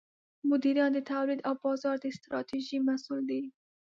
مدیران د تولید او بازار د ستراتیژۍ مسوول دي.